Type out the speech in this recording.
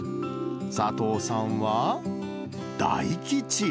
佐藤さんは大吉。